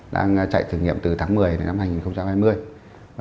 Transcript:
đang chạy thử nghiệm từ tháng một mươi đến năm hai nghìn hai mươi